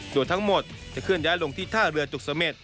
ส่วนทั้งหมดจะเคลื่อนย้ายลงที่ท่าเรือจุกเสม็ด